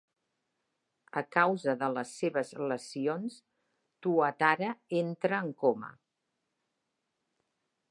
A causa de les seves lesions, Tuatara entra en coma.